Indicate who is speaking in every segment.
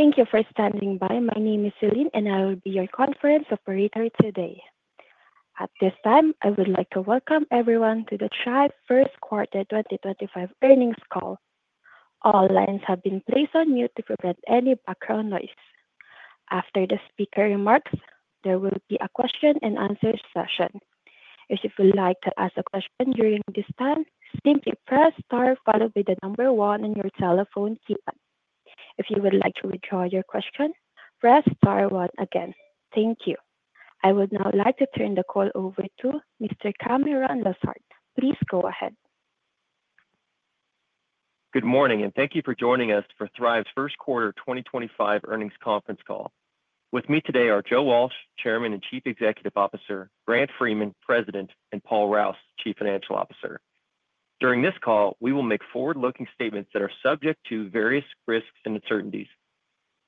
Speaker 1: Thank you for standing by. My name is Celine, and I will be your conference operator today. At this time, I would like to welcome everyone to the Thryv first quarter 2025 earnings call. All lines have been placed on mute to prevent any background noise. After the speaker remarks, there will be a question-and-answer session. If you would like to ask a question during this time, simply press star followed by the number one on your telephone keypad. If you would like to withdraw your question, press star one again. Thank you. I would now like to turn the call over to Mr. Cameron Lessard. Please go ahead.
Speaker 2: Good morning, and thank you for joining us for Thryv's first quarter 2025 earnings conference call. With me today are Joe Walsh, Chairman and Chief Executive Officer; Grant Freeman, President; and Paul Rouse, Chief Financial Officer. During this call, we will make forward-looking statements that are subject to various risks and uncertainties.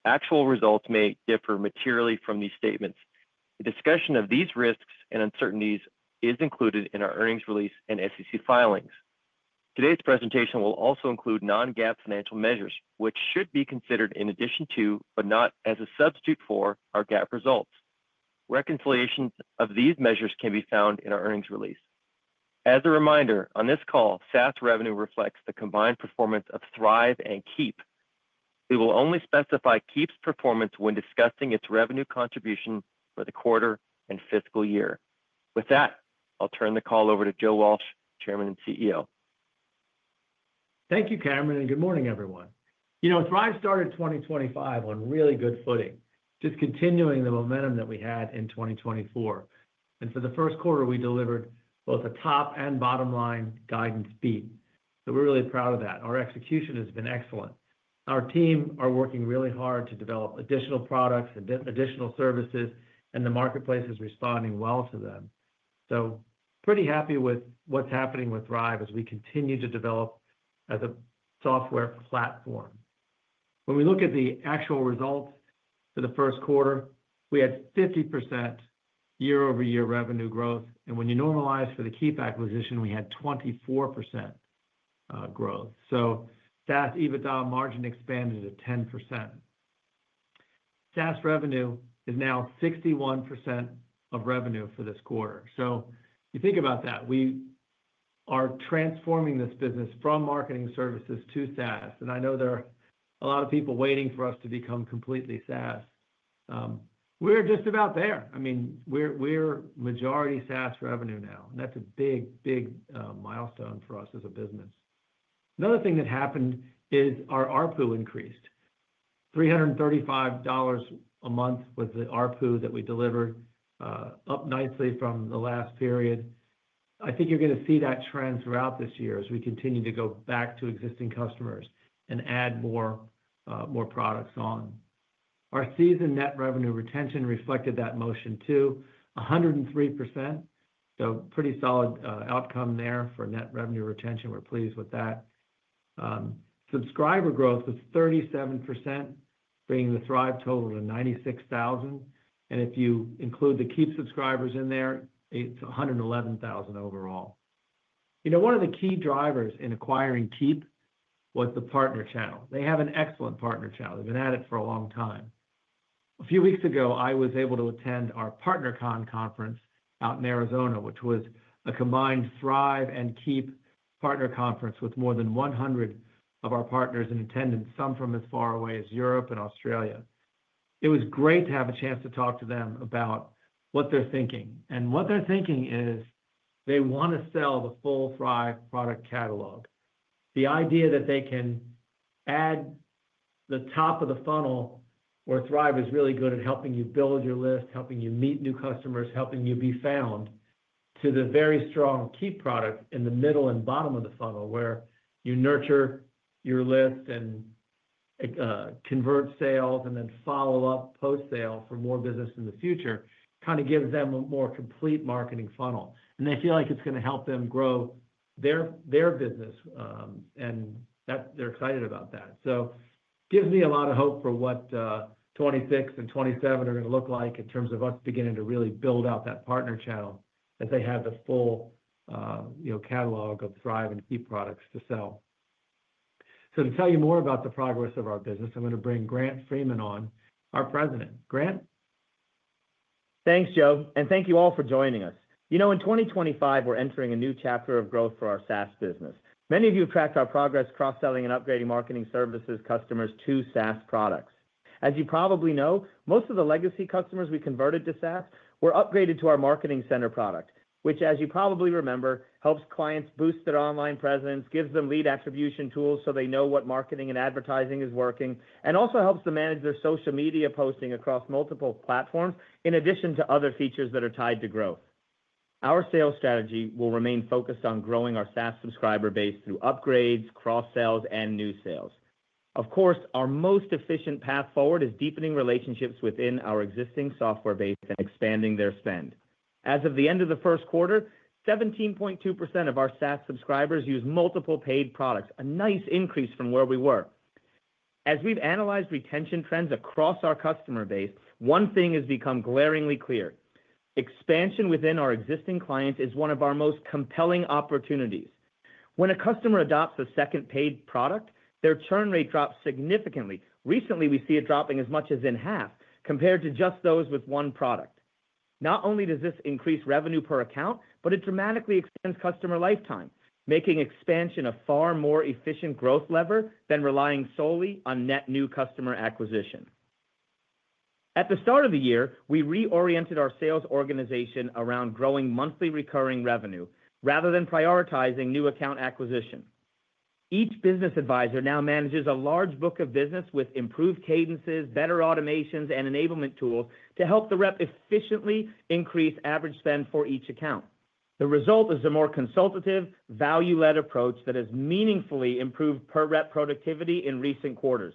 Speaker 2: Actual results may differ materially from these statements. The discussion of these risks and uncertainties is included in our earnings release and SEC filings. Today's presentation will also include non-GAAP financial measures, which should be considered in addition to, but not as a substitute for, our GAAP results. Reconciliations of these measures can be found in our earnings release. As a reminder, on this call, SaaS revenue reflects the combined performance of Thryv and Keap. We will only specify Keap's performance when discussing its revenue contribution for the quarter and fiscal year. With that, I'll turn the call over to Joe Walsh, Chairman and CEO.
Speaker 3: Thank you, Cameron, and good morning, everyone. You know, Thryv started 2025 on really good footing, just continuing the momentum that we had in 2024. For the first quarter, we delivered both a top and bottom-line guidance beat. We are really proud of that. Our execution has been excellent. Our team is working really hard to develop additional products and additional services, and the marketplace is responding well to them. Pretty happy with what's happening with Thryv as we continue to develop as a software platform. When we look at the actual results for the first quarter, we had 50% year-over-year revenue growth. When you normalize for the Keap acquisition, we had 24% growth. SaaS EBITDA margin expanded at 10%. SaaS revenue is now 61% of revenue for this quarter. You think about that. We are transforming this business from marketing services to SaaS. I know there are a lot of people waiting for us to become completely SaaS. We're just about there. I mean, we're majority SaaS revenue now. That's a big, big milestone for us as a business. Another thing that happened is our ARPU increased. $335 a month was the ARPU that we delivered, up nicely from the last period. I think you're going to see that trend throughout this year as we continue to go back to existing customers and add more products on. Our seasoned net revenue retention reflected that motion too, 103%. Pretty solid outcome there for net revenue retention. We're pleased with that. Subscriber growth was 37%, bringing the Thryv total to 96,000. If you include the Keap subscribers in there, it's 111,000 overall. You know, one of the key drivers in acquiring Keap was the partner channel. They have an excellent partner channel. They've been at it for a long time. A few weeks ago, I was able to attend our PartnerCon conference out in Arizona, which was a combined Thryv and Keap partner conference with more than 100 of our partners in attendance, some from as far away as Europe and Australia. It was great to have a chance to talk to them about what they're thinking. What they're thinking is they want to sell the full Thryv product catalog. The idea that they can add the top of the funnel, where Thryv is really good at helping you build your list, helping you meet new customers, helping you be found, to the very strong Keap product in the middle and bottom of the funnel, where you nurture your list and convert sales and then follow up post-sale for more business in the future, kind of gives them a more complete marketing funnel. They feel like it's going to help them grow their business. They are excited about that. It gives me a lot of hope for what 2026 and 2027 are going to look like in terms of us beginning to really build out that partner channel as they have the full catalog of Thryv and Keap products to sell. To tell you more about the progress of our business, I'm going to bring Grant Freeman on, our President. Grant.
Speaker 4: Thanks, Joe. Thank you all for joining us. You know, in 2025, we're entering a new chapter of growth for our SaaS business. Many of you have tracked our progress cross-selling and upgrading Marketing Services customers to SaaS products. As you probably know, most of the legacy customers we converted to SaaS were upgraded to our Marketing Center product, which, as you probably remember, helps clients boost their online presence, gives them lead attribution tools so they know what marketing and advertising is working, and also helps them manage their social media posting across multiple platforms in addition to other features that are tied to growth. Our sales strategy will remain focused on growing our SaaS subscriber base through upgrades, cross-sales, and new sales. Of course, our most efficient path forward is deepening relationships within our existing software base and expanding their spend. As of the end of the first quarter, 17.2% of our SaaS subscribers use multiple paid products, a nice increase from where we were. As we've analyzed retention trends across our customer base, one thing has become glaringly clear: expansion within our existing clients is one of our most compelling opportunities. When a customer adopts a second paid product, their churn rate drops significantly. Recently, we see it dropping as much as in half compared to just those with 1 product. Not only does this increase revenue per account, but it dramatically extends customer lifetime, making expansion a far more efficient growth lever than relying solely on net new customer acquisition. At the start of the year, we reoriented our sales organization around growing monthly recurring revenue rather than prioritizing new account acquisition. Each business advisor now manages a large book of business with improved cadences, better automations, and enablement tools to help the rep efficiently increase average spend for each account. The result is a more consultative, value-led approach that has meaningfully improved per-rep productivity in recent quarters.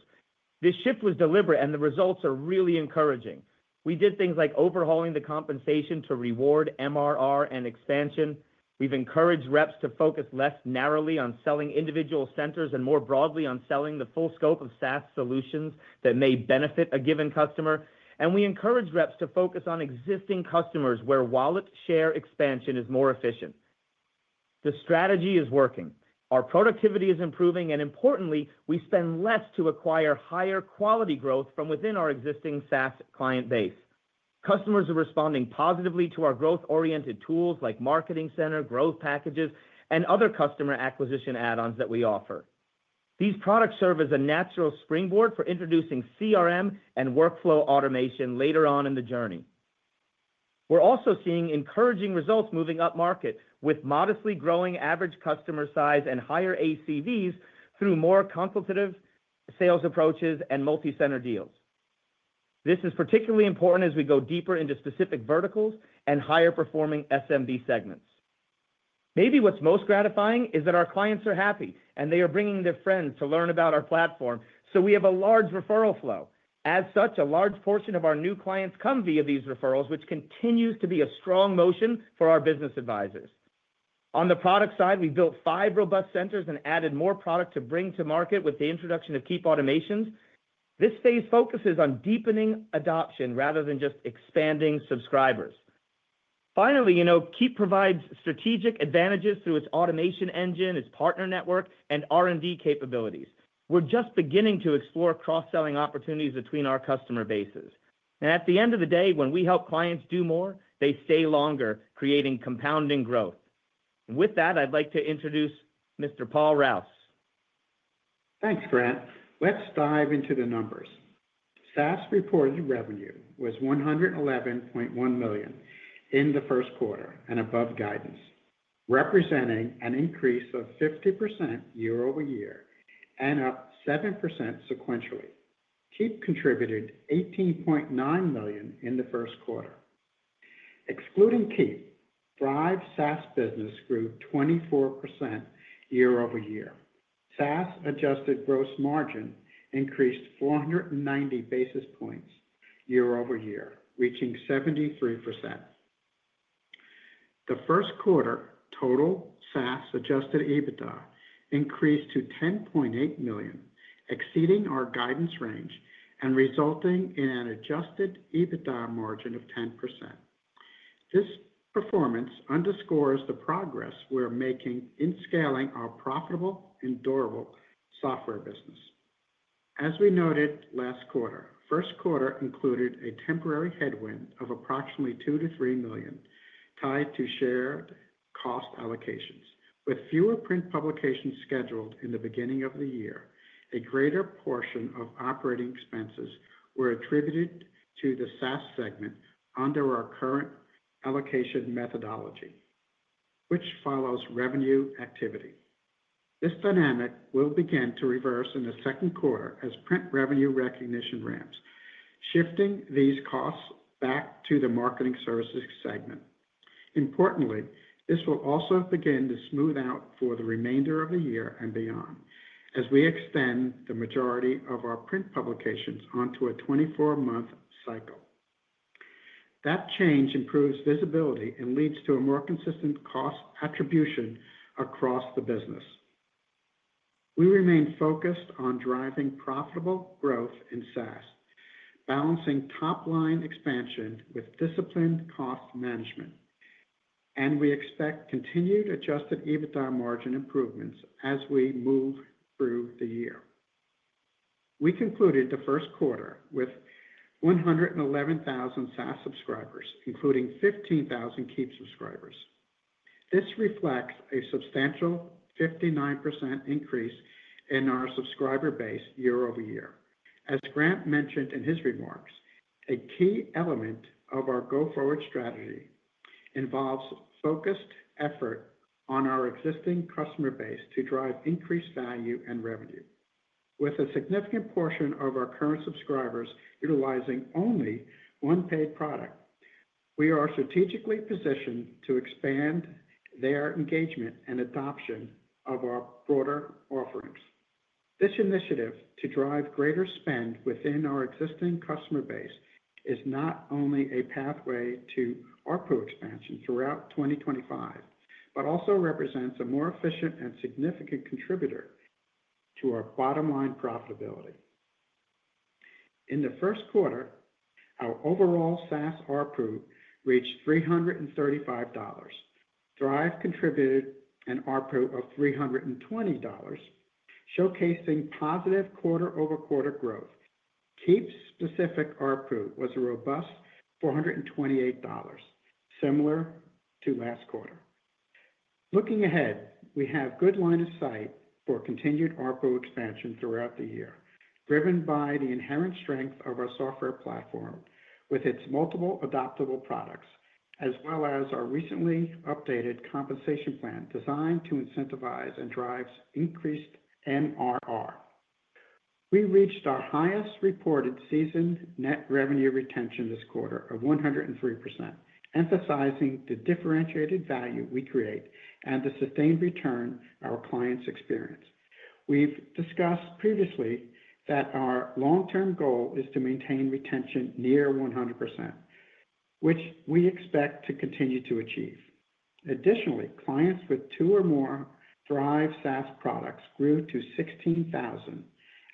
Speaker 4: This shift was deliberate, and the results are really encouraging. We did things like overhauling the compensation to reward MRR and expansion. We have encouraged reps to focus less narrowly on selling individual centers and more broadly on selling the full scope of SaaS solutions that may benefit a given customer. We encourage reps to focus on existing customers where wallet share expansion is more efficient. The strategy is working. Our productivity is improving. Importantly, we spend less to acquire higher quality growth from within our existing SaaS client base. Customers are responding positively to our growth-oriented tools like Marketing Center, Growth Packages, and other customer acquisition add-ons that we offer. These products serve as a natural springboard for introducing CRM and Workflow Automation later on in the journey. We're also seeing encouraging results moving up market with modestly growing average customer size and higher ACVs through more consultative sales approaches and multi-center deals. This is particularly important as we go deeper into specific verticals and higher-performing SMB segments. Maybe what's most gratifying is that our clients are happy, and they are bringing their friends to learn about our platform. We have a large referral flow. As such, a large portion of our new clients come via these referrals, which continues to be a strong motion for our business advisors. On the product side, we built 5 robust centers and added more product to bring to market with the introduction of Keap Automations. This phase focuses on deepening adoption rather than just expanding subscribers. Finally, you know, Keap provides strategic advantages through its automation engine, its partner network, and R&D capabilities. We're just beginning to explore cross-selling opportunities between our customer bases. At the end of the day, when we help clients do more, they stay longer, creating compounding growth. With that, I'd like to introduce Mr. Paul Rouse.
Speaker 5: Thanks, Grant. Let's dive into the numbers. SaaS reported revenue was $111.1 million in the first quarter and above guidance, representing an increase of 50% year-over-year and up 7% sequentially. Keap contributed $18.9 million in the first quarter. Excluding Keap, Thryv's SaaS business grew 24% year-over-year. SaaS-adjusted gross margin increased 490 basis points year-over-year, reaching 73%. The first quarter total SaaS-adjusted EBITDA increased to $10.8 million, exceeding our guidance range and resulting in an adjusted EBITDA margin of 10%. This performance underscores the progress we're making in scaling our profitable and durable software business. As we noted last quarter, the first quarter included a temporary headwind of approximately $2 million-$3 million tied to shared cost allocations. With fewer print publications scheduled in the beginning of the year, a greater portion of operating expenses were attributed to the SaaS segment under our current allocation methodology, which follows revenue activity. This dynamic will begin to reverse in the second quarter as print revenue recognition ramps, shifting these costs back to the Marketing Services segment. Importantly, this will also begin to smooth out for the remainder of the year and beyond as we extend the majority of our print publications onto a 24-month cycle. That change improves visibility and leads to a more consistent cost attribution across the business. We remain focused on driving profitable growth in SaaS, balancing top-line expansion with disciplined cost management. We expect continued adjusted EBITDA margin improvements as we move through the year. We concluded the first quarter with 111,000 SaaS subscribers, including 15,000 Keap subscribers. This reflects a substantial 59% increase in our subscriber base year-over-year. As Grant mentioned in his remarks, a key element of our go-forward strategy involves focused effort on our existing customer base to drive increased value and revenue. With a significant portion of our current subscribers utilizing only 1 paid product, we are strategically positioned to expand their engagement and adoption of our broader offerings. This initiative to drive greater spend within our existing customer base is not only a pathway to ARPU expansion throughout 2025, but also represents a more efficient and significant contributor to our bottom-line profitability. In the first quarter, our overall SaaS ARPU reached $335. Thryv contributed an ARPU of $320, showcasing positive quarter-over-quarter growth. Keap-specific ARPU was a robust $428, similar to last quarter. Looking ahead, we have good line of sight for continued ARPU expansion throughout the year, driven by the inherent strength of our software platform with its multiple adoptable products, as well as our recently updated compensation plan designed to incentivize and drive increased MRR. We reached our highest reported seasoned net revenue retention this quarter of 103%, emphasizing the differentiated value we create and the sustained return our clients experience. We've discussed previously that our long-term goal is to maintain retention near 100%, which we expect to continue to achieve. Additionally, clients with 2 or more Thryv SaaS products grew to 16,000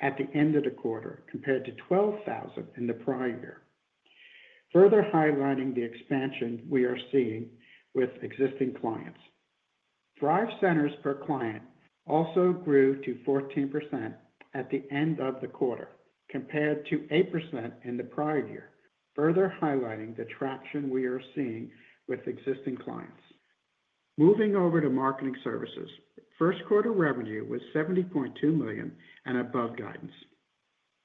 Speaker 5: at the end of the quarter compared to 12,000 in the prior year, further highlighting the expansion we are seeing with existing clients. Thryv centers per client also grew to 14% at the end of the quarter compared to 8% in the prior year, further highlighting the traction we are seeing with existing clients. Moving over to Marketing Services, first quarter revenue was $70.2 million and above guidance.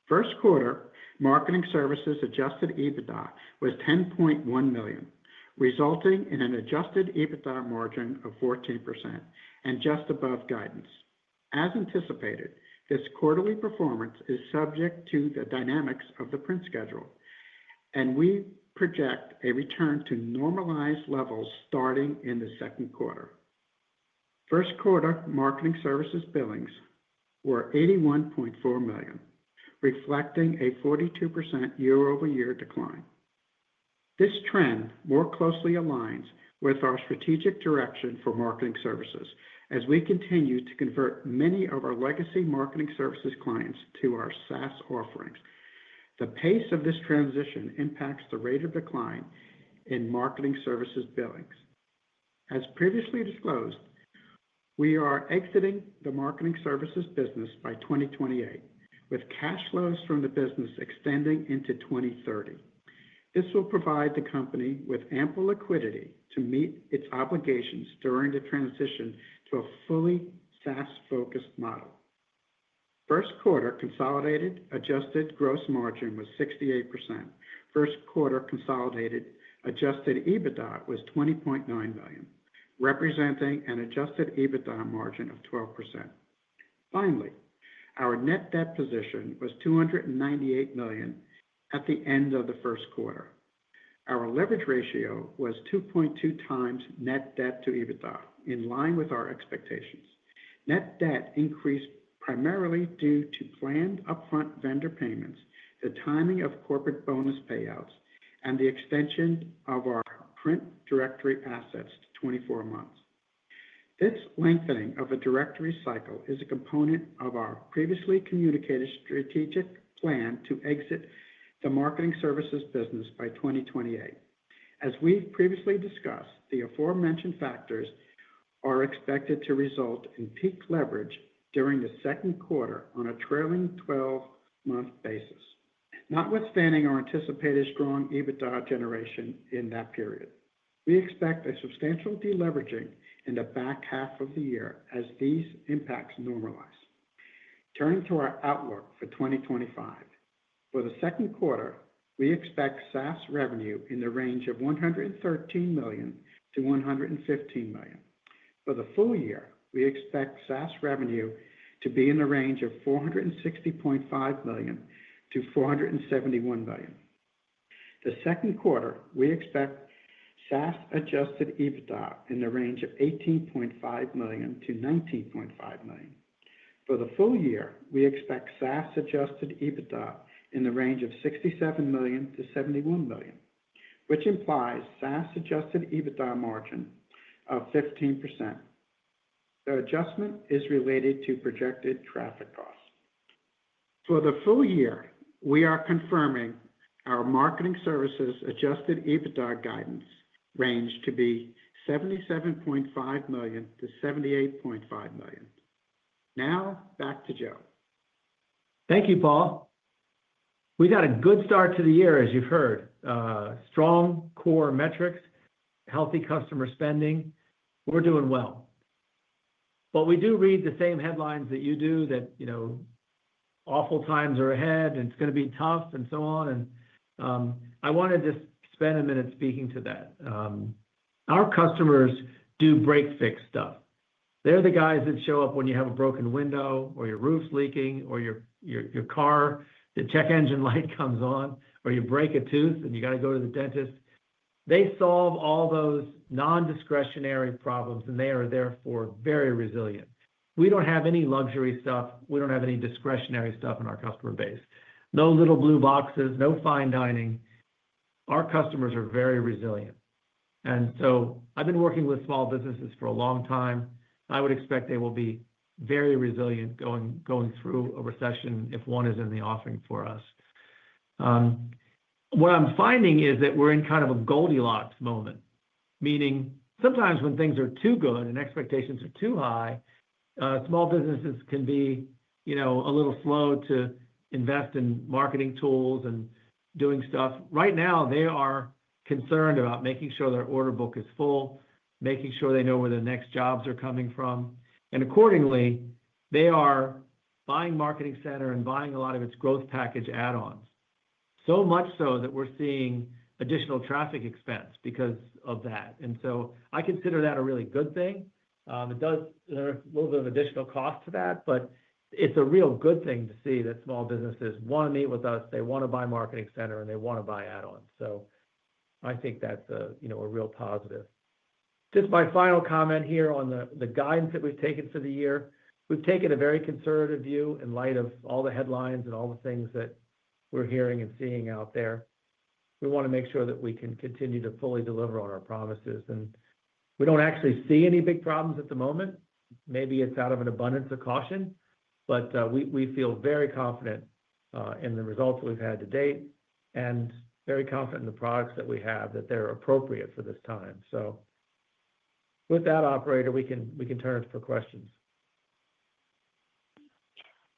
Speaker 5: First quarter Marketing Services adjusted EBITDA was $10.1 million, resulting in an adjusted EBITDA margin of 14% and just above guidance. As anticipated, this quarterly performance is subject to the dynamics of the print schedule, and we project a return to normalized levels starting in the second quarter. First quarter Marketing Services billings were $81.4 million, reflecting a 42% year-over-year decline. This trend more closely aligns with our strategic direction for Marketing Services as we continue to convert many of our legacy Marketing Services clients to our SaaS offerings. The pace of this transition impacts the rate of decline in Marketing Services billings. As previously disclosed, we are exiting the Marketing Services business by 2028, with cash flows from the business extending into 2030. This will provide the company with ample liquidity to meet its obligations during the transition to a fully SaaS-focused model. First quarter consolidated adjusted gross margin was 68%. First quarter consolidated adjusted EBITDA was $20.9 million, representing an adjusted EBITDA margin of 12%. Finally, our net debt position was $298 million at the end of the first quarter. Our leverage ratio was 2.2 times net debt to EBITDA, in line with our expectations. Net debt increased primarily due to planned upfront vendor payments, the timing of corporate bonus payouts, and the extension of our print directory assets to 24 months. This lengthening of a directory cycle is a component of our previously communicated strategic plan to exit the marketing services business by 2028. As we've previously discussed, the aforementioned factors are expected to result in peak leverage during the second quarter on a trailing 12-month basis, notwithstanding our anticipated strong EBITDA generation in that period. We expect a substantial deleveraging in the back half of the year as these impacts normalize. Turning to our outlook for 2025, for the second quarter, we expect SaaS revenue in the range of $113 million-$115 million. For the full year, we expect SaaS revenue to be in the range of $460.5 million-$471 million. The second quarter, we expect SaaS-adjusted EBITDA in the range of $18.5 million-$19.5 million. For the full year, we expect SaaS-adjusted EBITDA in the range of $67 million-$71 million, which implies SaaS-adjusted EBITDA margin of 15%. The adjustment is related to projected traffic costs. For the full year, we are confirming our Marketing Services adjusted EBITDA guidance range to be $77.5 million-$78.5 million. Now, back to Joe.
Speaker 3: Thank you, Paul. We got a good start to the year, as you've heard. Strong core metrics, healthy customer spending. We're doing well. We do read the same headlines that you do, that, you know, awful times are ahead, and it's going to be tough, and so on. I want to just spend a minute speaking to that. Our customers do break fix stuff. They're the guys that show up when you have a broken window, or your roof's leaking, or your car, the check engine light comes on, or you break a tooth and you got to go to the dentist. They solve all those non-discretionary problems, and they are therefore very resilient. We don't have any luxury stuff. We don't have any discretionary stuff in our customer base. No little blue boxes, no fine dining. Our customers are very resilient. I have been working with small businesses for a long time. I would expect they will be very resilient going through a recession if one is in the offing for us. What I am finding is that we are in kind of a Goldilocks moment, meaning sometimes when things are too good and expectations are too high, small businesses can be, you know, a little slow to invest in marketing tools and doing stuff. Right now, they are concerned about making sure their order book is full, making sure they know where the next jobs are coming from. Accordingly, they are buying Marketing Center and buying a lot of its Growth Package add-ons, so much so that we are seeing additional traffic expense because of that. I consider that a really good thing. It does, there's a little bit of additional cost to that, but it's a real good thing to see that small businesses want to meet with us. They want to buy Marketing Center, and they want to buy add-ons. I think that's a, you know, a real positive. Just my final comment here on the guidance that we've taken for the year. We've taken a very conservative view in light of all the headlines and all the things that we're hearing and seeing out there. We want to make sure that we can continue to fully deliver on our promises. We don't actually see any big problems at the moment. Maybe it's out of an abundance of caution, but we feel very confident in the results we've had to date and very confident in the products that we have that they're appropriate for this time. With that, operator, we can turn it for questions.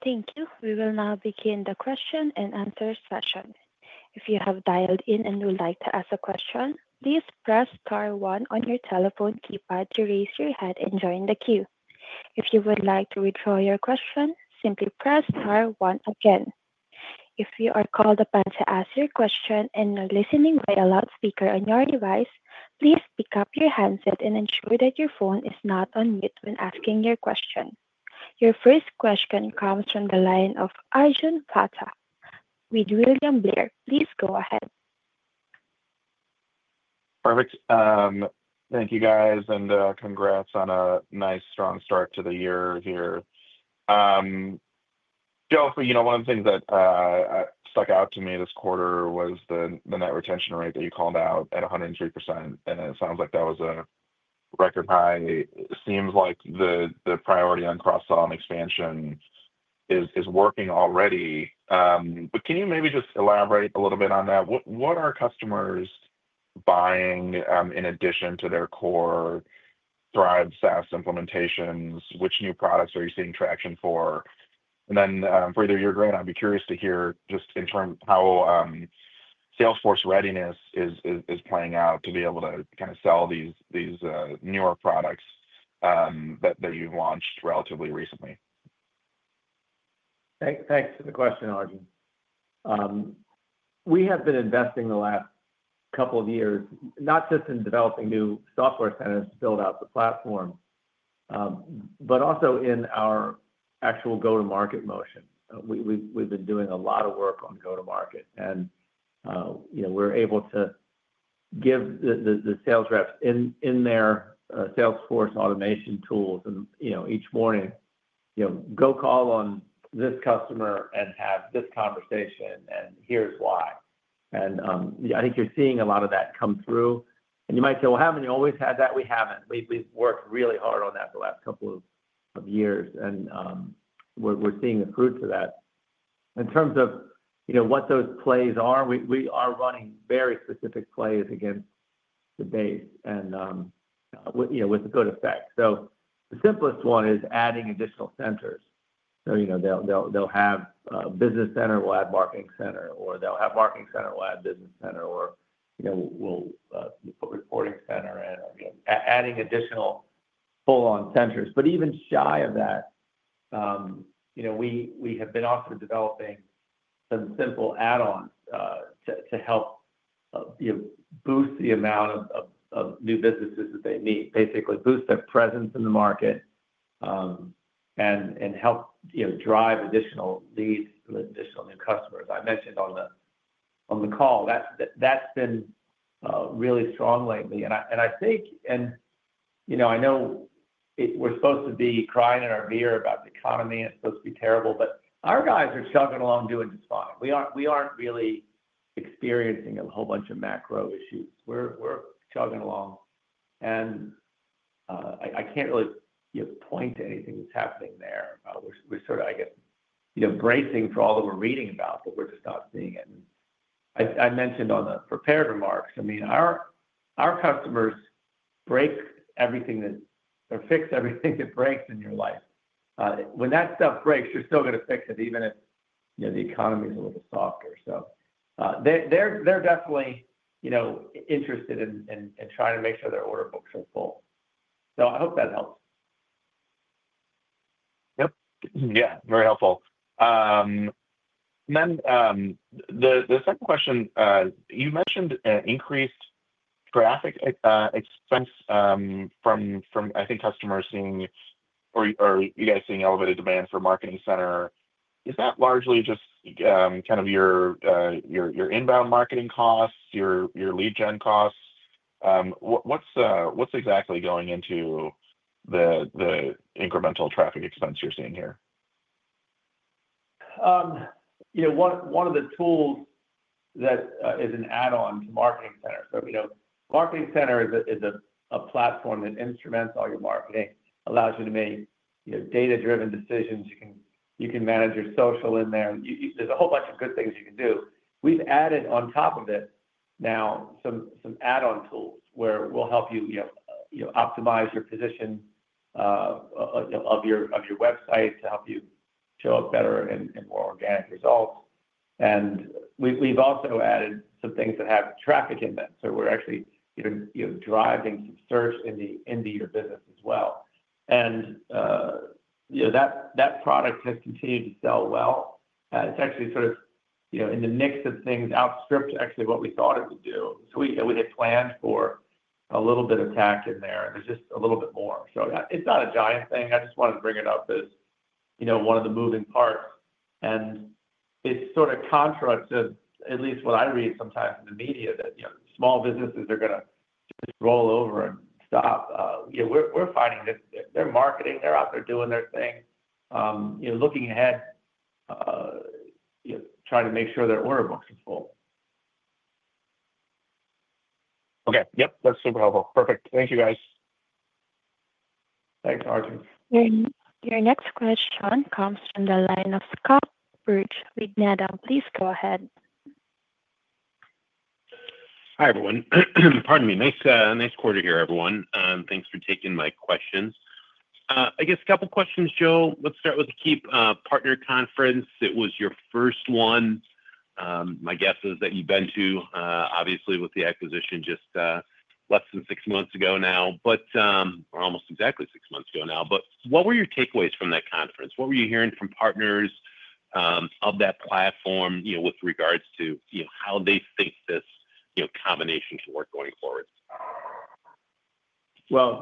Speaker 1: Thank you. We will now begin the question and answer session. If you have dialed in and would like to ask a question, please press star one on your telephone keypad to raise your hand and join the queue. If you would like to withdraw your question, simply press star one again. If you are called upon to ask your question in a listening via loud speaker on your device, please pick up your handset and ensure that your phone is not on mute when asking your question. Your first question comes from the line of Arjun Bhatia with William Blair, please go ahead.
Speaker 6: Perfect. Thank you, guys. And congrats on a nice, strong start to the year here. Joe, for you know, one of the things that stuck out to me this quarter was the net retention rate that you called out at 103%. It sounds like that was a record high. It seems like the priority on cross-sell and expansion is working already. Can you maybe just elaborate a little bit on that? What are customers buying in addition to their core Thryv SaaS implementations? Which new products are you seeing traction for? For either you or Grant, I'd be curious to hear just in terms of how sales force readiness is playing out to be able to kind of sell these newer products that you've launched relatively recently.
Speaker 7: Thanks for the question, Arjun. We have been investing the last couple of years, not just in developing new software centers to build out the platform, but also in our actual go-to-market motion. We've been doing a lot of work on go-to-market. You know, we're able to give the sales reps in their sales force automation tools and, you know, each morning, you know, go call on this customer and have this conversation, and here's why. I think you're seeing a lot of that come through. You might say, well, haven't you always had that? We haven't. We've worked really hard on that the last couple of years, and we're seeing the fruits of that. In terms of, you know, what those plays are, we are running very specific plays against the base and, you know, with good effect. The simplest one is adding additional centers. You know, they'll have a Business Center, we'll add Marketing Center, or they'll have Marketing Center, we'll add Business Center, or, you know, we'll put Reporting Center in, or, you know, adding additional full-on centers. Even shy of that, you know, we have been also developing some simple add-ons to help, you know, boost the amount of new businesses that they need, basically boost their presence in the market and help, you know, drive additional leads with additional new customers. I mentioned on the call, that's been really strong lately. I think, and, you know, I know we're supposed to be crying in our beer about the economy. It's supposed to be terrible, but our guys are chugging along doing just fine. We aren't really experiencing a whole bunch of macro issues. We're chugging along. I can't really point to anything that's happening there. We're sort of, I guess, you know, bracing for all that we're reading about, but we're just not seeing it. I mentioned on the prepared remarks, I mean, our customers fix everything that breaks in your life. When that stuff breaks, you're still going to fix it, even if, you know, the economy is a little softer. They're definitely, you know, interested in trying to make sure their order books are full. I hope that helps.
Speaker 6: Yep. Yeah, very helpful. The second question, you mentioned increased traffic expense from, I think, customers seeing or you guys seeing elevated demand for Marketing Center. Is that largely just kind of your inbound marketing costs, your lead gen costs? What is exactly going into the incremental traffic expense you're seeing here?
Speaker 7: You know, one of the tools that is an add-on to Marketing Center. You know, Marketing Center is a platform that instruments all your marketing, allows you to make data-driven decisions. You can manage your social in there. There is a whole bunch of good things you can do. We have added on top of it now some add-on tools where we will help you, you know, optimize your position of your website to help you show up better and more organic results. We have also added some things that have traffic in them. We are actually, you know, driving some search into your business as well. You know, that product has continued to sell well. It is actually sort of, you know, in the mix of things outstripped actually what we thought it would do. We had planned for a little bit of TAC in there, and there's just a little bit more. It's not a giant thing. I just wanted to bring it up as, you know, one of the moving parts. It's sort of contra to at least what I read sometimes in the media that, you know, small businesses are going to just roll over and stop. You know, we're finding that they're marketing. They're out there doing their thing, you know, looking ahead, you know, trying to make sure their order books are full.
Speaker 6: Okay. Yep. That's super helpful. Perfect. Thank you, guys.
Speaker 7: Thanks, Arjun.
Speaker 1: Your next question comes from the line of Scott Berg with Needham. Please go ahead.
Speaker 8: Hi, everyone. Pardon me. Nice quarter here, everyone. Thanks for taking my questions. I guess a couple of questions, Joe. Let's start with the Keap Partner Conference. It was your first one. My guess is that you've been to, obviously, with the acquisition just less than 6 months ago now, or almost exactly 6 months ago now. What were your takeaways from that conference? What were you hearing from partners of that platform, you know, with regards to, you know, how they think this, you know, combination can work going forward?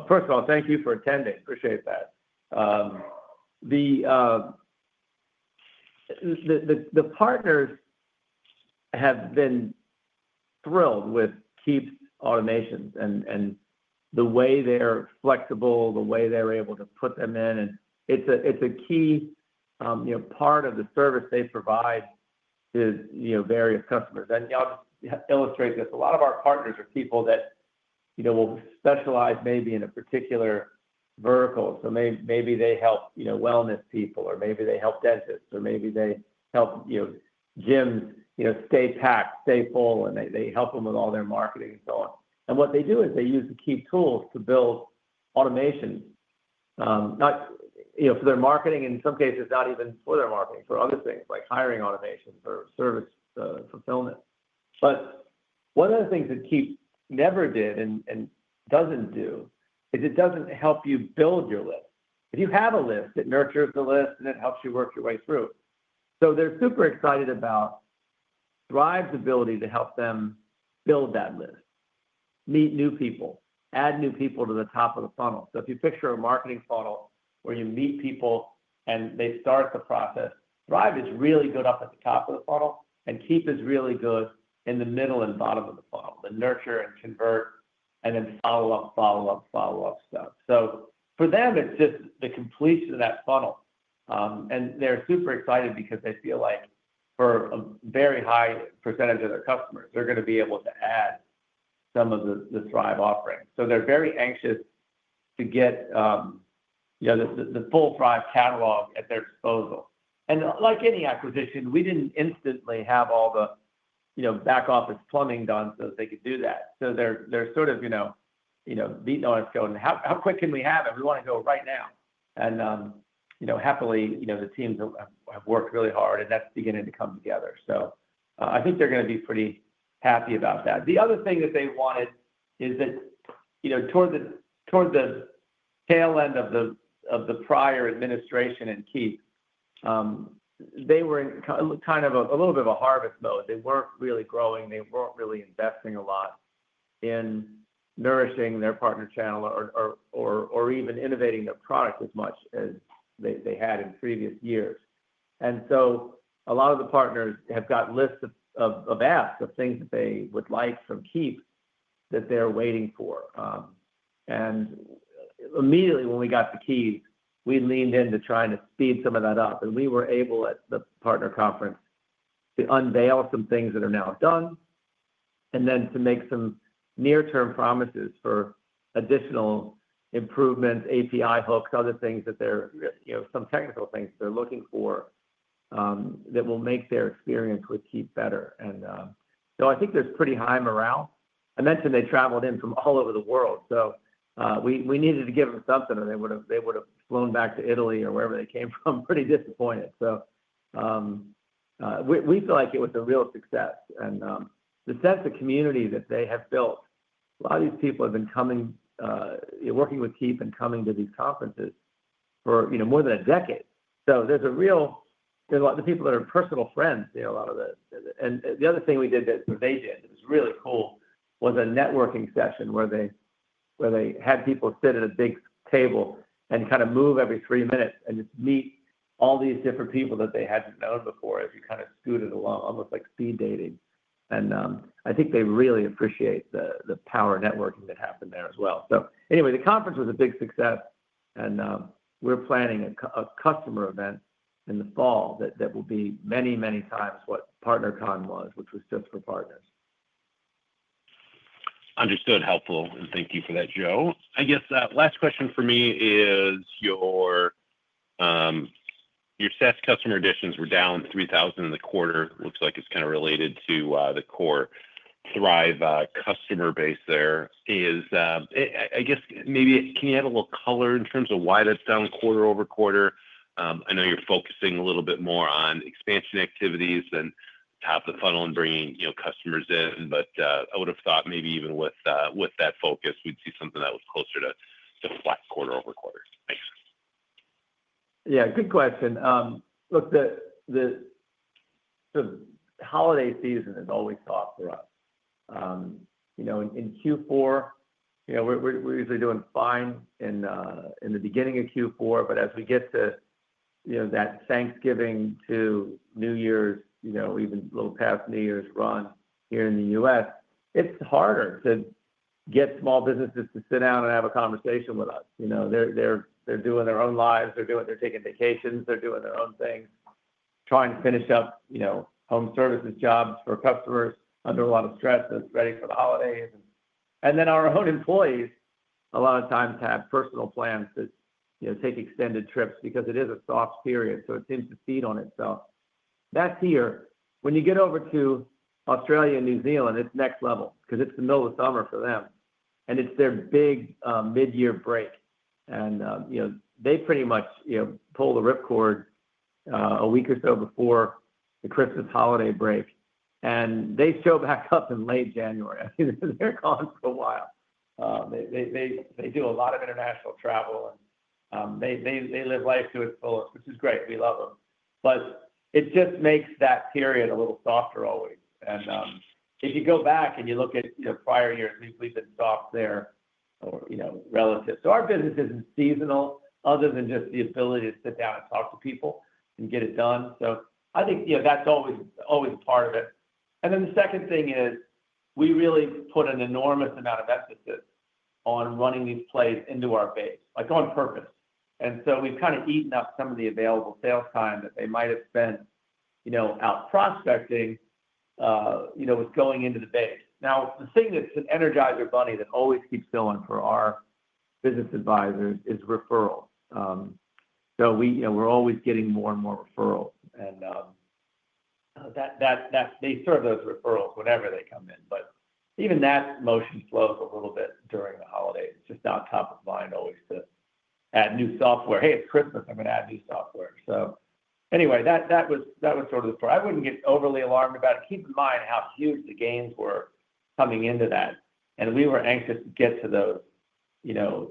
Speaker 7: First of all, thank you for attending. Appreciate that. The partners have been thrilled with Keap's automations and the way they're flexible, the way they're able to put them in. It's a key, you know, part of the service they provide to, you know, various customers. I'll just illustrate this. A lot of our partners are people that, you know, will specialize maybe in a particular vertical. Maybe they help, you know, wellness people, or maybe they help dentists, or maybe they help, you know, gyms, you know, stay packed, stay full, and they help them with all their marketing and so on. What they do is they use the Keap tools to build automations, you know, for their marketing and in some cases, not even for their marketing, for other things like hiring automations or service fulfillment. One of the things that Keap never did and does not do is it does not help you build your list. If you have a list, it nurtures the list, and it helps you work your way through. They are super excited about Thryv's ability to help them build that list, meet new people, add new people to the top of the funnel. If you picture a marketing funnel where you meet people and they start the process, Thryv is really good up at the top of the funnel, and Keap is really good in the middle and bottom of the funnel to nurture and convert and then follow-up, follow-up, follow-up stuff. For them, it is just the completion of that funnel. They are super excited because they feel like for a very high percentage of their customers, they are going to be able to add some of the Thryv offerings. They are very anxious to get, you know, the full Thryv catalog at their disposal. Like any acquisition, we did not instantly have all the, you know, back office plumbing done so that they could do that. They are sort of, you know, beating on us going, "How quick can we have it? We want to go right now." Happily, you know, the teams have worked really hard, and that is beginning to come together. I think they are going to be pretty happy about that. The other thing that they wanted is that, you know, toward the tail end of the prior administration and Keap, they were in kind of a little bit of a harvest mode. They were not really growing. They were not really investing a lot in nourishing their partner channel or even innovating their product as much as they had in previous years. A lot of the partners have got lists of asks of things that they would like from Keap that they're waiting for. Immediately when we got the keys, we leaned into trying to speed some of that up. We were able at the partner conference to unveil some things that are now done and then to make some near-term promises for additional improvements, API hooks, other things that they're, you know, some technical things they're looking for that will make their experience with Keap better. I think there's pretty high morale. I mentioned they traveled in from all over the world. We needed to give them something, or they would have flown back to Italy or wherever they came from, pretty disappointed. We feel like it was a real success. The sense of community that they have built, a lot of these people have been coming, you know, working with Keap and coming to these conferences for, you know, more than a decade. There is a real, there is a lot of the people that are personal friends, you know, a lot of the, and the other thing we did that they did that was really cool was a networking session where they had people sit at a big table and kind of move every 3 minutes and just meet all these different people that they had not known before as you kind of scooted along, almost like speed dating. I think they really appreciate the power of networking that happened there as well. The conference was a big success. We are planning a customer event in the fall that will be many, many times what PartnerCon was, which was just for partners.
Speaker 8: Understood. Helpful. Thank you for that, Joe. I guess last question for me is your SaaS customer additions were down 3,000 in the quarter. Looks like it is kind of related to the core Thryv customer base there. I guess maybe can you add a little color in terms of why that is down quarter over quarter? I know you are focusing a little bit more on expansion activities than top of the funnel and bringing, you know, customers in, but I would have thought maybe even with that focus, we would see something that was closer to flat quarter over quarter. Thanks.
Speaker 7: Yeah. Good question. Look, the holiday season is always soft for us. You know, in Q4, you know, we're usually doing fine in the beginning of Q4, but as we get to, you know, that Thanksgiving to New Year's, you know, even a little past New Year's run here in the U.S., it's harder to get small businesses to sit down and have a conversation with us. You know, they're doing their own lives. They're taking vacations. They're doing their own things, trying to finish up, you know, home services jobs for customers under a lot of stress and ready for the holidays. Our own employees a lot of times have personal plans to, you know, take extended trips because it is a soft period. It seems to feed on itself. That's here. When you get over to Australia and New Zealand, it's next level because it's the middle of summer for them. It's their big mid-year break. You know, they pretty much, you know, pull the ripcord a week or so before the Christmas holiday break. They show back up in late January. I mean, they're gone for a while. They do a lot of international travel, and they live life to its fullest, which is great. We love them. It just makes that period a little softer always. If you go back and you look at, you know, prior years, we've been soft there or, you know, relative. Our business isn't seasonal other than just the ability to sit down and talk to people and get it done. I think, you know, that's always a part of it. The second thing is we really put an enormous amount of emphasis on running these plays into our base, like on purpose. We have kind of eaten up some of the available sales time that they might have spent, you know, out prospecting, with going into the base. Now, the thing that's an energizer bunny that always keeps going for our business advisors is referrals. We are always getting more and more referrals. They serve those referrals whenever they come in. Even that motion slows a little bit during the holidays. It's just not top of mind always to add new software. Hey, it's Christmas. I'm going to add new software. That was sort of the point. I would not get overly alarmed about it. Keep in mind how huge the gains were coming into that. We were anxious to get to those, you know,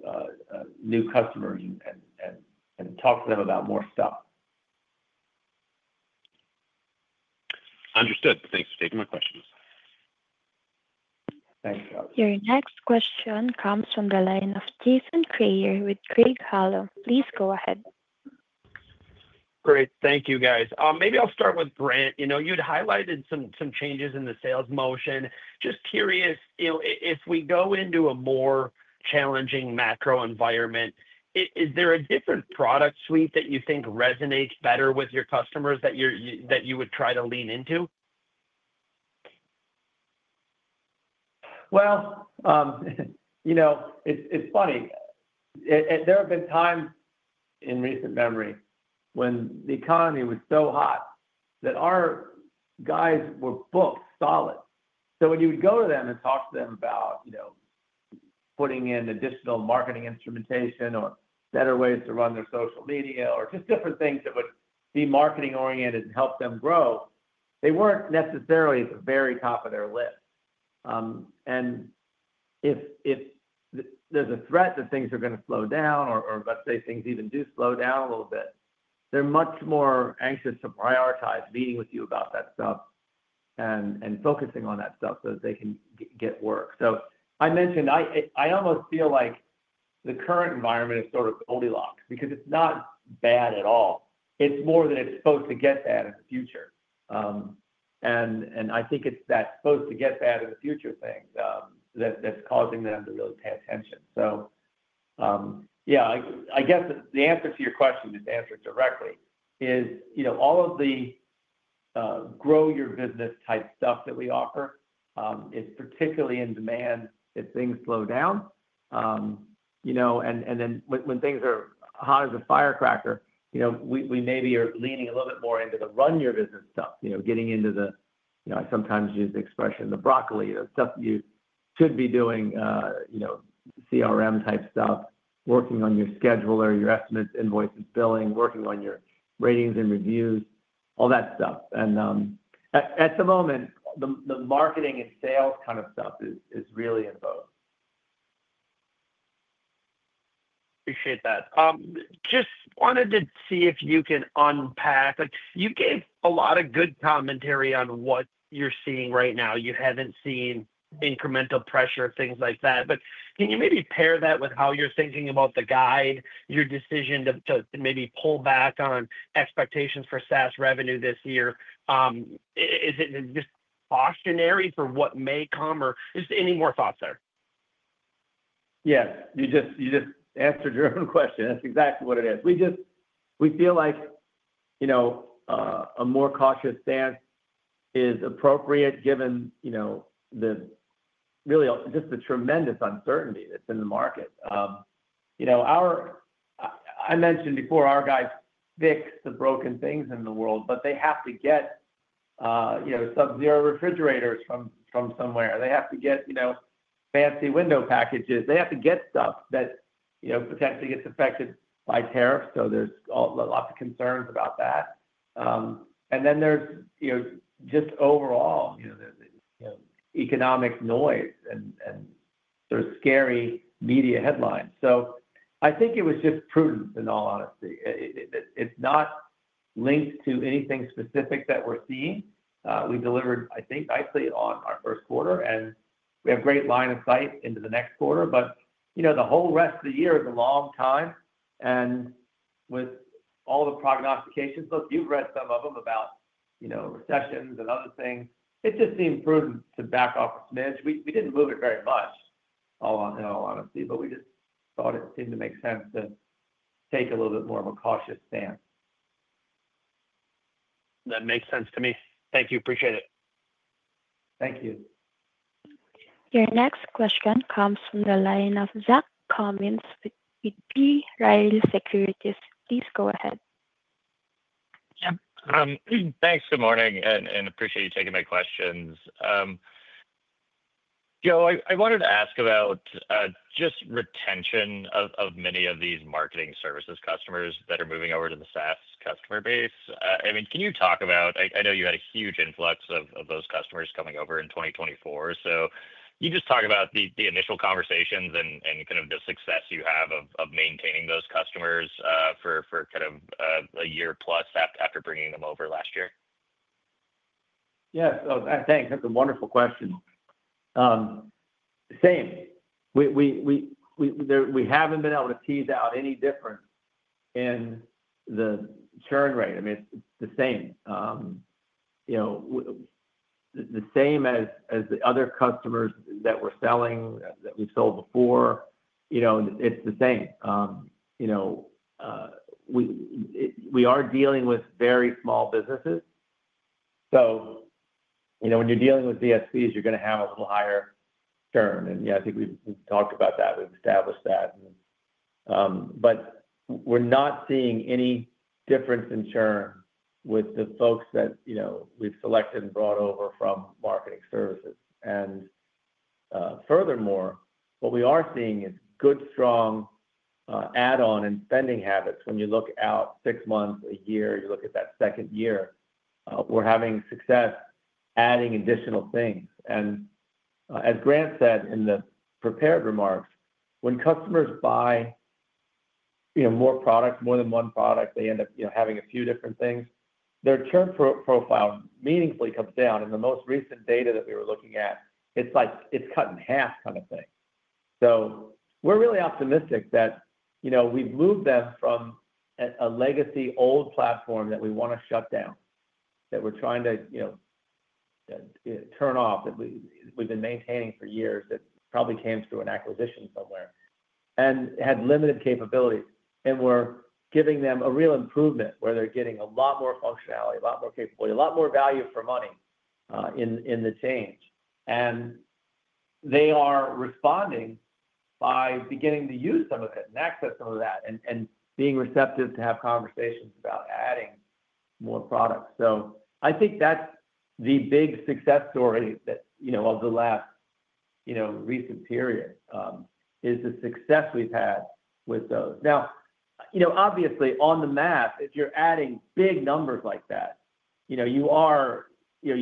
Speaker 7: new customers and talk to them about more stuff.
Speaker 8: Understood. Thanks for taking my questions.
Speaker 7: Thanks, guys.
Speaker 1: Your next question comes from the line of Steve Dyer with Craig-Hallum. Please go ahead.
Speaker 9: Great. Thank you, guys. Maybe I'll start with Grant. You know, you'd highlighted some changes in the sales motion. Just curious, you know, if we go into a more challenging macro environment, is there a different product suite that you think resonates better with your customers that you would try to lean into?
Speaker 3: You know, it's funny. There have been times in recent memory when the economy was so hot that our guys were booked solid. When you would go to them and talk to them about, you know, putting in additional marketing instrumentation or better ways to run their social media or just different things that would be marketing-oriented and help them grow, they weren't necessarily at the very top of their list. If there's a threat that things are going to slow down or, let's say, things even do slow down a little bit, they're much more anxious to prioritize meeting with you about that stuff and focusing on that stuff so that they can get work. I mentioned I almost feel like the current environment is sort of Goldilocks because it's not bad at all. It's more that it's supposed to get bad in the future. I think it's that supposed to get bad in the future thing that's causing them to really pay attention. Yeah, I guess the answer to your question, just answer directly, is, you know, all of the grow your business type stuff that we offer is particularly in demand if things slow down. You know, and then when things are hot as a firecracker, you know, we maybe are leaning a little bit more into the run your business stuff, you know, getting into the, you know, I sometimes use the expression the broccoli, the stuff that you should be doing, you know, CRM type stuff, working on your scheduler, your estimates, invoices, billing, working on your ratings and reviews, all that stuff. At the moment, the marketing and sales kind of stuff is really in vogue.
Speaker 9: Appreciate that. Just wanted to see if you can unpack. You gave a lot of good commentary on what you're seeing right now. You haven't seen incremental pressure, things like that. Can you maybe pair that with how you're thinking about the guide, your decision to maybe pull back on expectations for SaaS revenue this year? Is it just cautionary for what may come? Any more thoughts there?
Speaker 3: Yes. You just answered your own question. That's exactly what it is. We just, we feel like, you know, a more cautious stance is appropriate given, you know, really just the tremendous uncertainty that's in the market. You know, I mentioned before our guys fix the broken things in the world, but they have to get, you know, Sub-Zero refrigerators from somewhere. They have to get, you know, fancy window packages. They have to get stuff that, you know, potentially gets affected by tariffs. There are lots of concerns about that. There is, you know, just overall, you know, economic noise and sort of scary media headlines. I think it was just prudence, in all honesty. It's not linked to anything specific that we're seeing. We delivered, I think, nicely on our first quarter, and we have a great line of sight into the next quarter. You know, the whole rest of the year is a long time. With all the prognostications, look, you've read some of them about, you know, recessions and other things. It just seemed prudent to back off a smidge. We did not move it very much, in all honesty, but we just thought it seemed to make sense to take a little bit more of a cautious stance.
Speaker 9: That makes sense to me. Thank you. Appreciate it.
Speaker 7: Thank you.
Speaker 1: Your next question comes from the line of Zach Cummins with B. Riley Securities. Please go ahead.
Speaker 10: Yeah. Thanks, good morning, and appreciate you taking my questions. Joe, I wanted to ask about just retention of many of these Marketing Services customers that are moving over to the SaaS customer base. I mean, can you talk about, I know you had a huge influx of those customers coming over in 2024. Can you just talk about the initial conversations and kind of the success you have of maintaining those customers for kind of a year plus after bringing them over last year?
Speaker 7: Yes. Thanks. That's a wonderful question. Same. We haven't been able to tease out any difference in the churn rate. I mean, it's the same. You know, the same as the other customers that we're selling, that we've sold before, you know, it's the same. You know, we are dealing with very small businesses. You know, when you're dealing with VSBs, you're going to have a little higher churn. Yeah, I think we've talked about that. We've established that. We're not seeing any difference in churn with the folks that, you know, we've selected and brought over from Marketing Services. Furthermore, what we are seeing is good, strong add-on and spending habits. When you look out 6 months, a year, you look at that second year, we're having success adding additional things. As Grant said in the prepared remarks, when customers buy, you know, more products, more than one product, they end up, you know, having a few different things, their churn profile meaningfully comes down. The most recent data that we were looking at, it's like it's cut in half kind of thing. We are really optimistic that, you know, we've moved them from a legacy old platform that we want to shut down, that we're trying to, you know, turn off, that we've been maintaining for years that probably came through an acquisition somewhere and had limited capabilities. We are giving them a real improvement where they're getting a lot more functionality, a lot more capability, a lot more value for money in the change. They are responding by beginning to use some of it and access some of that and being receptive to have conversations about adding more products. I think that is the big success story that, you know, of the last, you know, recent period is the success we have had with those. Now, you know, obviously on the map, if you are adding big numbers like that, you are going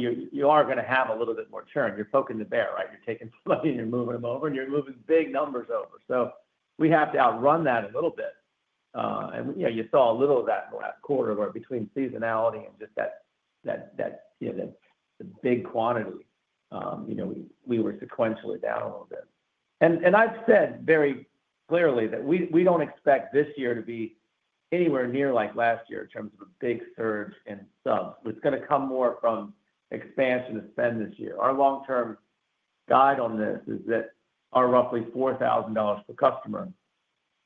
Speaker 7: to have a little bit more churn. You are poking the bear, right? You are taking somebody and you are moving them over, and you are moving big numbers over. We have to outrun that a little bit. You know, you saw a little of that in the last quarter where between seasonality and just that, you know, the big quantity, you know, we were sequentially down a little bit. I've said very clearly that we do not expect this year to be anywhere near like last year in terms of a big surge in subs. It is going to come more from expansion of spend this year. Our long-term guide on this is that our roughly $4,000 per customer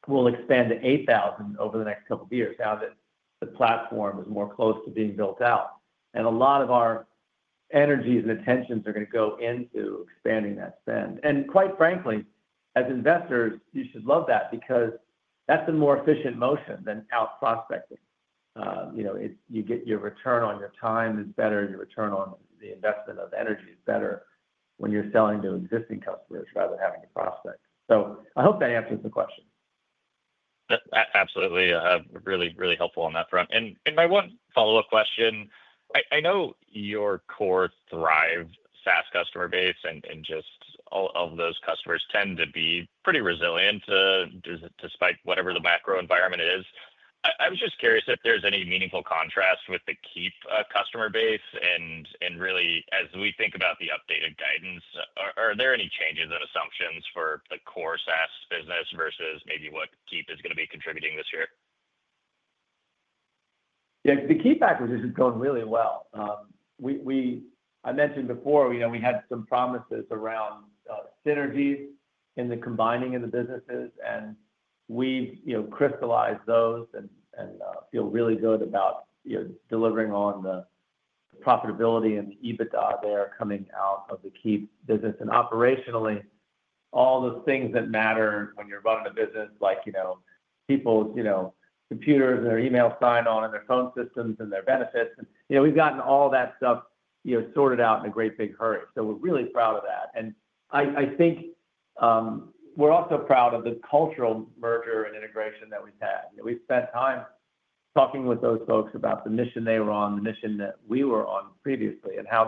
Speaker 7: will expand to $8,000 over the next couple of years now that the platform is more close to being built out. A lot of our energies and attentions are going to go into expanding that spend. Quite frankly, as investors, you should love that because that is a more efficient motion than out prospecting. You know, you get your return on your time is better. Your return on the investment of energy is better when you are selling to existing customers rather than having to prospect. I hope that answers the question.
Speaker 10: Absolutely. Really, really helpful on that front. My one follow-up question, I know your core Thryv SaaS customer base and just all of those customers tend to be pretty resilient despite whatever the macro environment is. I was just curious if there is any meaningful contrast with the Keap customer base. Really, as we think about the updated guidance, are there any changes in assumptions for the core SaaS business versus maybe what Keap is going to be contributing this year?
Speaker 7: Yeah. The Keap acquisition is going really well. I mentioned before, you know, we had some promises around synergies in the combining of the businesses, and we've, you know, crystallized those and feel really good about, you know, delivering on the profitability and the EBITDA there coming out of the Keap business. Operationally, all the things that matter when you're running a business, like, you know, people's, you know, computers and their email sign-on and their phone systems and their benefits. You know, we've gotten all that stuff, you know, sorted out in a great big hurry. We are really proud of that. I think we are also proud of the cultural merger and integration that we've had. We've spent time talking with those folks about the mission they were on, the mission that we were on previously, and how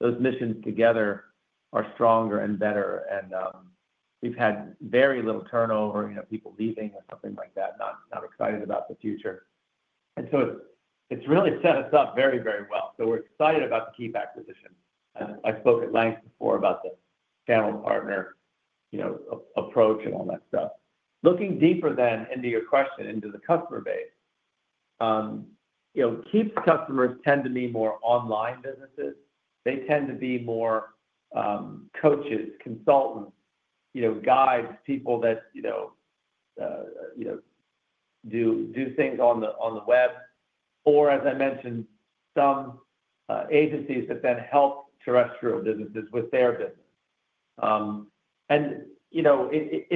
Speaker 7: those missions together are stronger and better. We have had very little turnover, you know, people leaving or something like that, not excited about the future. It has really set us up very, very well. We are excited about the Keap acquisition. I spoke at length before about the Keap Partner, you know, approach and all that stuff. Looking deeper then into your question into the customer base, you know, Keap's customers tend to be more online businesses. They tend to be more coaches, consultants, you know, guides, people that, you know, do things on the web, or, as I mentioned, some agencies that then help terrestrial businesses with their business. You know, it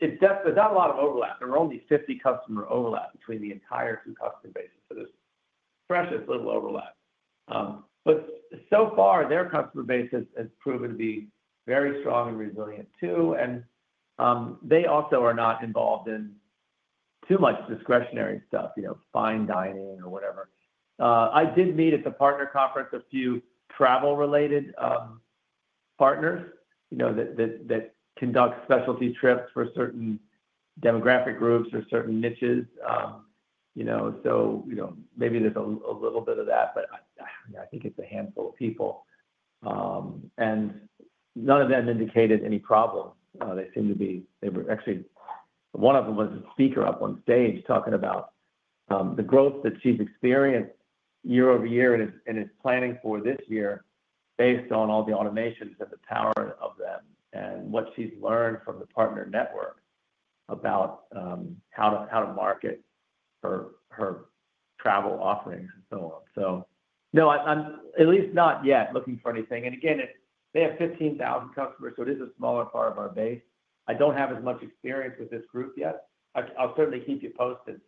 Speaker 7: is definitely not a lot of overlap. There were only 50 customer overlap between the entire 2 customer bases. There is precious little overlap. So far, their customer base has proven to be very strong and resilient too. They also are not involved in too much discretionary stuff, you know, fine dining or whatever. I did meet at the partner conference a few travel-related partners, you know, that conduct specialty trips for certain demographic groups or certain niches, you know. Maybe there's a little bit of that, but I think it's a handful of people. None of them indicated any problems. They seem to be, they were actually, one of them was a speaker up on stage talking about the growth that she's experienced year over year and is planning for this year based on all the automations and the power of them and what she's learned from the partner network about how to market her travel offerings and so on. No, I'm at least not yet looking for anything. They have 15,000 customers, so it is a smaller part of our base. I do not have as much experience with this group yet. I will certainly keep you posted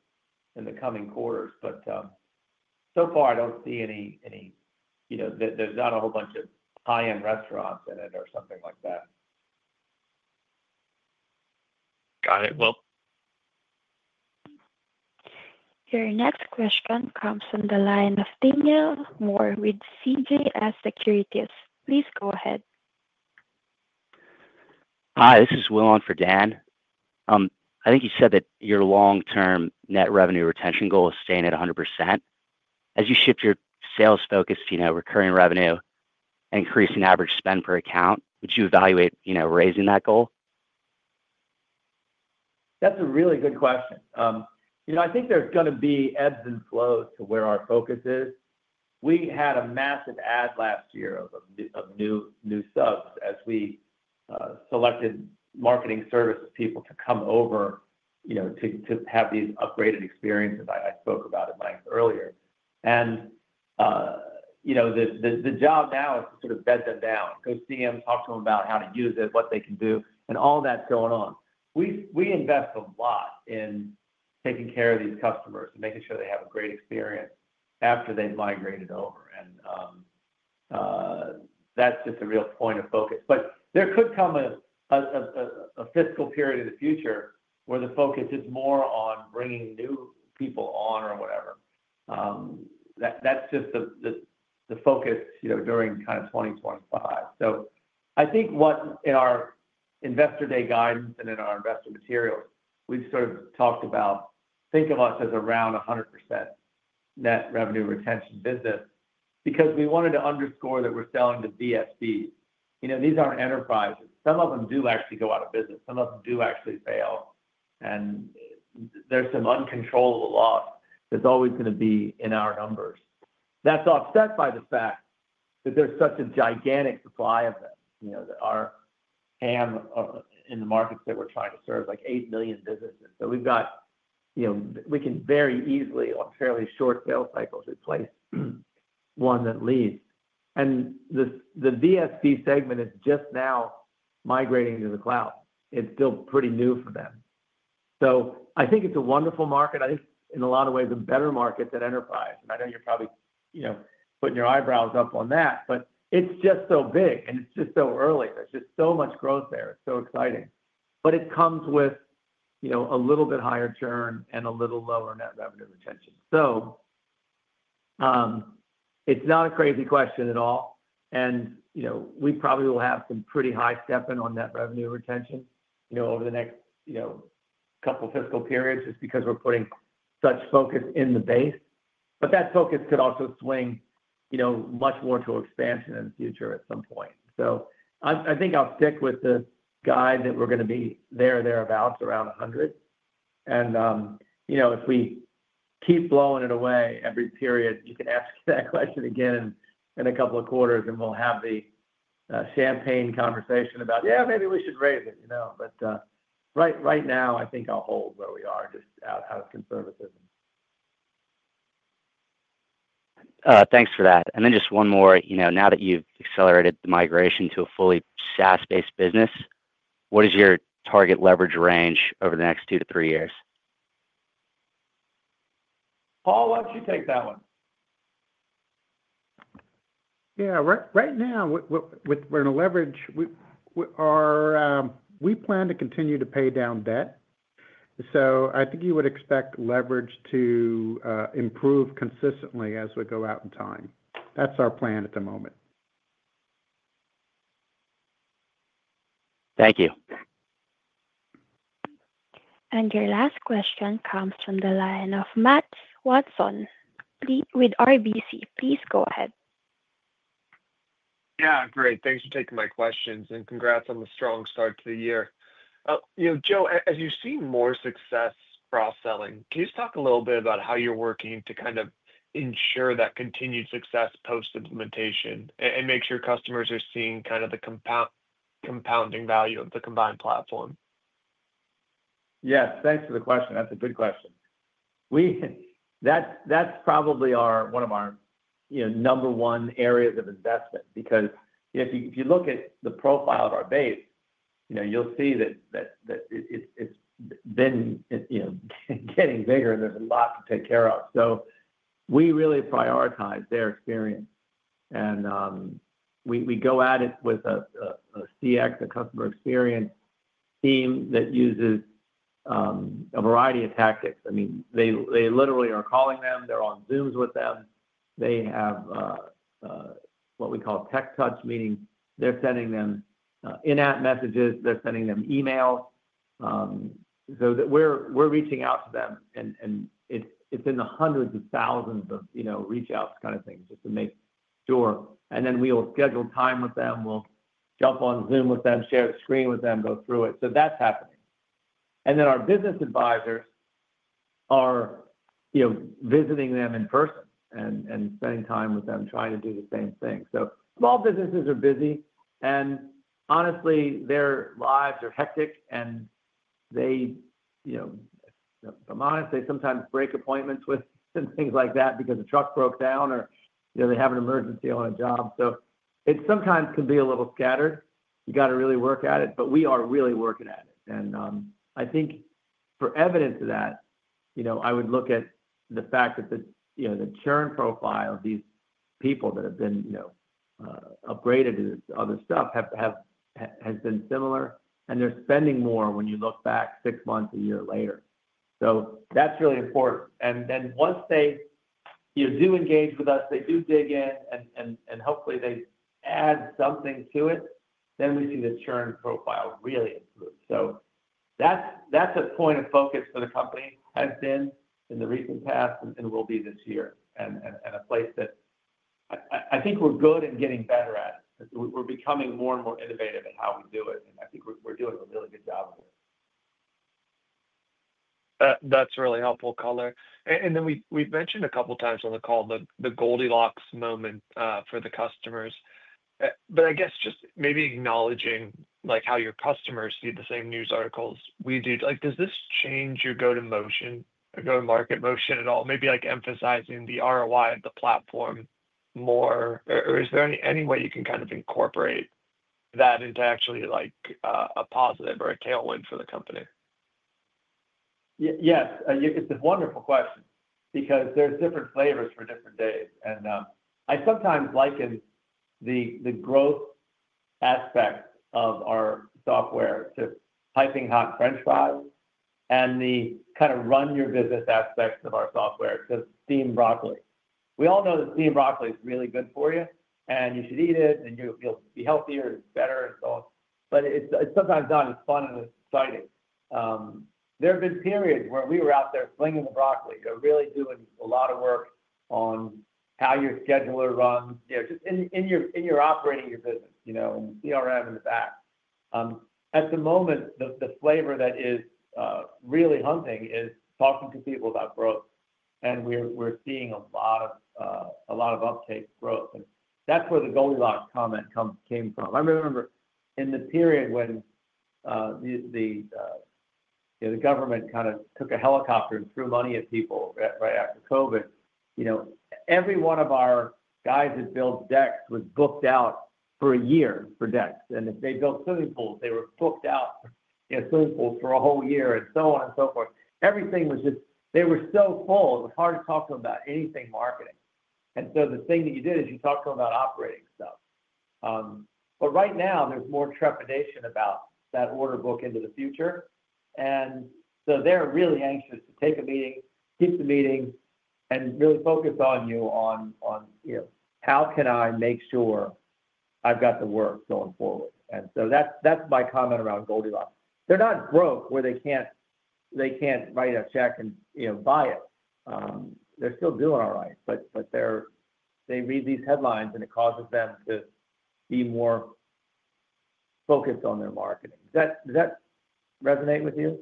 Speaker 7: in the coming quarters. So far, I do not see any, you know, there is not a whole bunch of high-end restaurants in it or something like that.
Speaker 10: Got it.
Speaker 1: Your next question comes from the line of Daniel Moore with CJS Securities. Please go ahead.
Speaker 11: Hi, this is Will on for Dan. I think you said that your long-term net revenue retention goal is staying at 100%. As you shift your sales focus to, you know, recurring revenue and increasing average spend per account, would you evaluate, you know, raising that goal?
Speaker 3: That's a really good question. You know, I think there's going to be ebbs and flows to where our focus is. We had a massive add last year of new subs as we selected Marketing Services people to come over, you know, to have these upgraded experiences I spoke about at length earlier. You know, the job now is to sort of bed them down, go see them, talk to them about how to use it, what they can do, and all that's going on. We invest a lot in taking care of these customers and making sure they have a great experience after they've migrated over. That's just a real point of focus. There could come a fiscal period in the future where the focus is more on bringing new people on or whatever. That's just the focus, you know, during kind of 2025. I think what in our investor day guidance and in our investor materials, we've sort of talked about, think of us as around 100% net revenue retention business because we wanted to underscore that we're selling to VSBs. You know, these aren't enterprises. Some of them do actually go out of business. Some of them do actually fail. And there's some uncontrollable loss that's always going to be in our numbers. That's offset by the fact that there's such a gigantic supply of them, you know, that our TAM in the markets that we're trying to serve is like 8 million businesses. So we've got, you know, we can very easily on fairly short sales cycles replace one that leaves. And the VSB segment is just now migrating to the cloud. It's still pretty new for them. I think it's a wonderful market. I think in a lot of ways a better market than enterprise. I know you're probably, you know, putting your eyebrows up on that, but it's just so big and it's just so early. There's just so much growth there. It's so exciting. It comes with, you know, a little bit higher churn and a little lower net revenue retention. It's not a crazy question at all. You know, we probably will have some pretty high step-up on net revenue retention, you know, over the next, you know, couple of fiscal periods just because we're putting such focus in the base. That focus could also swing, you know, much more to expansion in the future at some point. I think I'll stick with the guide that we're going to be there or thereabouts around 100. You know, if we keep blowing it away every period, you can ask that question again in a couple of quarters and we'll have the champagne conversation about, yeah, maybe we should raise it, you know. Right now, I think I'll hold where we are just out of conservatism.
Speaker 11: Thanks for that. And then just one more, you know, now that you've accelerated the migration to a fully SaaS-based business, what is your target leverage range over the next 2 to 3 years?
Speaker 3: Paul, why don't you take that one?
Speaker 5: Yeah. Right now, we're going to leverage. We plan to continue to pay down debt. I think you would expect leverage to improve consistently as we go out in time. That's our plan at the moment.
Speaker 11: Thank you.
Speaker 1: Your last question comes from the line of Matt Swanson with RBC. Please go ahead.
Speaker 3: Yeah. Great. Thanks for taking my questions and congrats on the strong start to the year. You know, Joe, as you've seen more success cross-selling, can you just talk a little bit about how you're working to kind of ensure that continued success post-implementation and make sure customers are seeing kind of the compounding value of the combined platform?
Speaker 7: Yes. Thanks for the question. That's a good question. That's probably one of our, you know, number 1 areas of investment because if you look at the profile of our base, you know, you'll see that it's been, you know, getting bigger and there's a lot to take care of. We really prioritize their experience. We go at it with a CX, a customer experience team that uses a variety of tactics. I mean, they literally are calling them. They're on Zooms with them. They have what we call tech touch, meaning they're sending them in-app messages. They're sending them emails. We're reaching out to them. It's in the hundreds of thousands of, you know, reach-outs kind of things just to make sure. We schedule time with them. We jump on Zoom with them, share the screen with them, go through it. That's happening. Our business advisors are, you know, visiting them in person and spending time with them trying to do the same thing. Small businesses are busy. Honestly, their lives are hectic. They, you know, if I'm honest, they sometimes break appointments and things like that because a truck broke down or, you know, they have an emergency on a job. It sometimes can be a little scattered. You got to really work at it, but we are really working at it. I think for evidence of that, you know, I would look at the fact that the churn profile of these people that have been, you know, upgraded to this other stuff has been similar. They're spending more when you look back 6 months, a year later. That's really important. Once they, you know, do engage with us, they do dig in, and hopefully they add something to it, then we see the churn profile really improve. That is a point of focus for the company, has been in the recent past and will be this year. A place that I think we're good and getting better at it. We're becoming more and more innovative in how we do it. I think we're doing a really good job of it.
Speaker 3: That's really helpful color. We have mentioned a couple of times on the call the Goldilocks moment for the customers. I guess just maybe acknowledging how your customers see the same news articles we do. Does this change your go-to-market motion at all? Maybe like emphasizing the ROI of the platform more, or is there any way you can kind of incorporate that into actually like a positive or a tailwind for the company? Yes. It's a wonderful question because there's different flavors for different days. I sometimes liken the growth aspect of our software to piping hot French fries and the kind of run-your-business aspects of our software to steamed broccoli. We all know that steamed broccoli is really good for you, and you should eat it, and you'll be healthier and better and so on. It's sometimes not as fun and as exciting. There have been periods where we were out there flinging the broccoli, you know, really doing a lot of work on how your scheduler runs, you know, just in your operating your business, you know, and CRM in the back. At the moment, the flavor that is really hunting is talking to people about growth. We're seeing a lot of uptake growth. That's where the Goldilocks comment came from. I remember in the period when the government kind of took a helicopter and threw money at people right after COVID, you know, every one of our guys that built decks was booked out for a year for decks. And if they built swimming pools, they were booked out, you know, swimming pools for a whole year and so on and so forth. Everything was just, they were so full. It was hard to talk to them about anything marketing. The thing that you did is you talked to them about operating stuff. Right now, there's more trepidation about that order book into the future. They are really anxious to take a meeting, keep the meeting, and really focus on you on, you know, how can I make sure I've got the work going forward. That is my comment around Goldilocks. They're not broke where they can't write a check and, you know, buy it. They're still doing all right. They read these headlines, and it causes them to be more focused on their marketing. Does that resonate with you?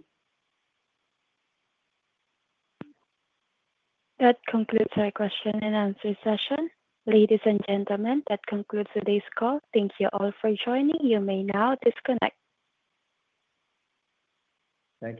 Speaker 1: That concludes our question and answer session. Ladies and gentlemen, that concludes today's call. Thank you all for joining. You may now disconnect.
Speaker 2: Thanks.